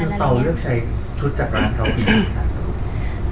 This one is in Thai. คือเปาเลือกใช้ชุดจากร้านเขาอย่างไร